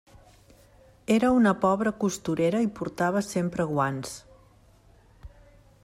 Era una pobra costurera i portava sempre guants.